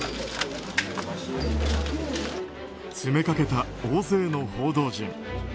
詰めかけた大勢の報道陣。